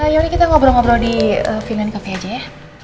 yaudah kita ngobrol ngobrol di v line cafe aja ya